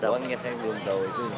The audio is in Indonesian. uangnya saya belum tahu